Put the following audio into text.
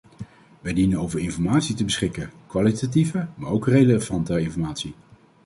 Wij dienen over informatie te beschikken, kwalitatieve maar ook relevante informatie.